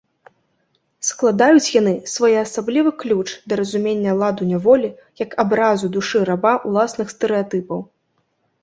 Складаюць яны своеасаблівы ключ да разумення ладу няволі як абразу душы раба уласных стэрэатыпаў.